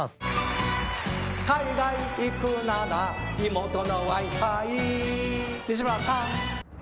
海外行くならイモトの ＷｉＦｉ 西村さん